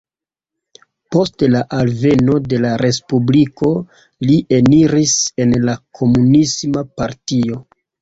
Post la alveno de la Respubliko li eniris en la Komunisma Partio.